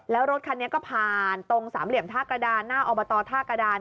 แล้วรถคันนี้ก็ผ่านตรงสามเหลี่ยมท่ากระดานหน้าอบตท่ากระดาน